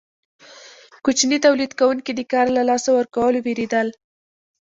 کوچني تولید کوونکي د کار له لاسه ورکولو ویریدل.